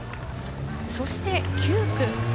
そして９区。